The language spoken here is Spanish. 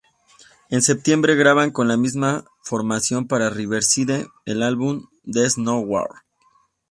En septiembre, graban, con la misma formación, para Riverside el álbum "Deeds No Words".